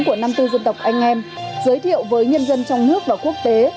của năm mươi bốn dân tộc anh em giới thiệu với nhân dân trong nước và quốc tế